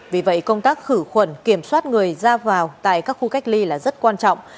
vì vậy công tác khử khuẩn kiểm soát người ra vào tại các khu cách ly là rất quan trọng